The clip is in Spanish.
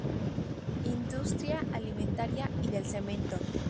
Industria alimentaria y del cemento.